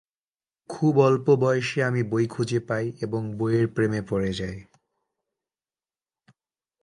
খুব অল্প বয়সে আমি বই খুঁজে পাই এবং বইয়ের প্রেমে পড়ে যাই।